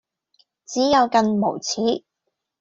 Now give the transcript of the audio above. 只有更無恥